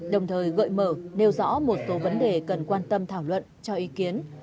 đồng thời gợi mở nêu rõ một số vấn đề cần quan tâm thảo luận cho ý kiến